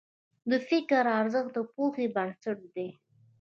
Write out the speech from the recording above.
د فکر ارزښت د پوهې بنسټ دی.